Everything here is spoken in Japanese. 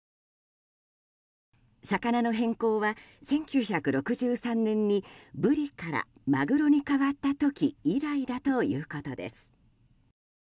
魚の変更は１９６３年にブリからマグロに変わった時以来だということです。